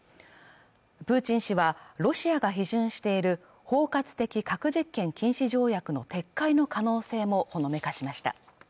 プーチン氏はロシアが批准している包括的核実験禁止条約の撤回の可能性もほのめかしました